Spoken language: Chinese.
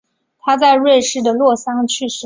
他在瑞士的洛桑去世。